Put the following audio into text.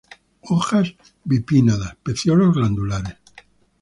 Hojas bipinnadas; pecíolos glandulares.